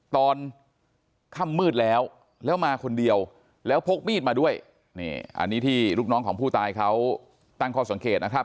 ตอนค่ำมืดแล้วแล้วมาคนเดียวแล้วพกมีดมาด้วยนี่อันนี้ที่ลูกน้องของผู้ตายเขาตั้งข้อสังเกตนะครับ